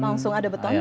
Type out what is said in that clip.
langsung ada beton